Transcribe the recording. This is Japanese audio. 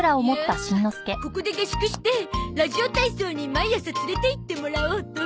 いやここで合宿してラジオ体操に毎朝連れて行ってもらおうと。